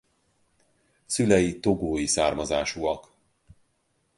Szülei togói származásúak.